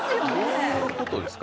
どういうことですか？